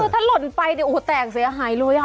ถ้าหล่นไปเนี่ยโอ้โหแตกเสียหายเลยค่ะ